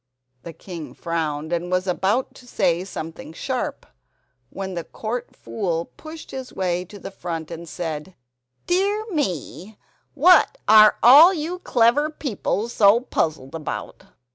The king frowned, and was about to say something sharp, when the Court Fool pushed his way to the front and said: "Dear me, what are all you clever people so puzzled about?